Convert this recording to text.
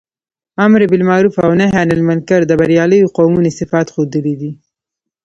امر باالمعروف او نهي عنالمنکر د برياليو قومونو صفات ښودلي دي.